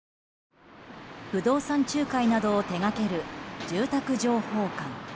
不動産仲介などを手掛ける住宅情報館。